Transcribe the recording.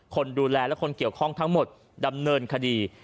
คนดูแลและคนเกี่ยวข้องทั้งหมดดำเนินคดี